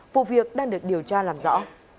vụ việc đang được điều tra làm rõ